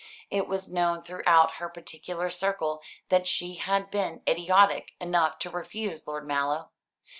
It was known throughout her particular circle that she had been idiotic enough to refuse Lord Mallow.